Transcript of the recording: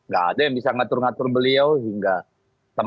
gak ada yang bisa ngatur ngatur beliau hingga